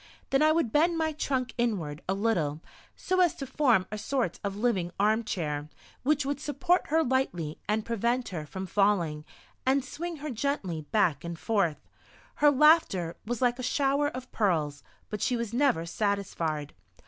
Then I would bend my trunk inward a little, so as to form a sort of living arm chair, which would support her lightly and prevent her from falling, and swing her gently back and forth. Her laughter was like a shower of pearls, but she was never satisfied.